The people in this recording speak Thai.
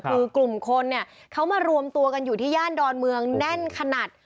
คือกลุ่มคนเนี่ยเขามารวมตัวกันอยู่ที่ย่านดอนเมืองแน่นขนาด